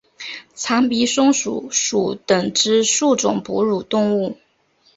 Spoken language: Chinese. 长鼻松鼠属等之数种哺乳动物。